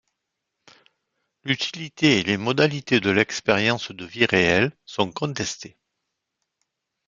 L'utilité et les modalités de l'expérience de vie réelle sont contestées.